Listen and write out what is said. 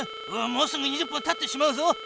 もうすぐ２０分たってしまうぞ。